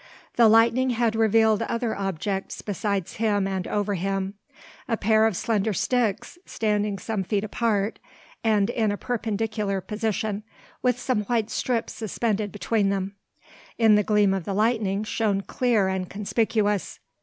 The lightning had revealed other objects beside him and over him. A pair of slender sticks, standing some feet apart, and in a perpendicular position, with some white strips suspended between them, in the gleam of the lightning shone clear and conspicuous.